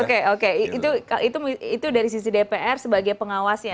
oke oke itu dari sisi dpr sebagai pengawas ya